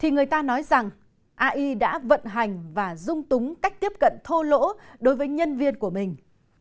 người ta nói rằng ai đã vận hành và dung túng cách tiếp cận thô lỗ đối với nhân viên của mình